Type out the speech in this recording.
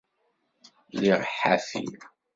Lliɣ ḥafi.